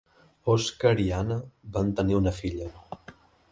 Oscar i Anna van tenir una filla.